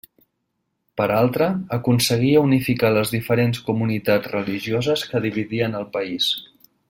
Per altra, aconseguia unificar les diferents comunitats religioses que dividien el país.